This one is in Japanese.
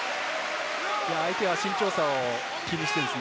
相手は身長差を気にしています。